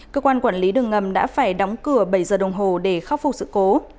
cơ quan quản lý đường ngầm đã phải đóng cửa bảy giờ đồng hồ để khắc phục sự cố